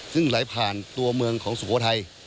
ซึ่งไหลผ่านตัวเมืองของสุโขทัย